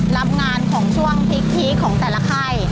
รับงานของช่วงพีคพีคของแต่ละค่าย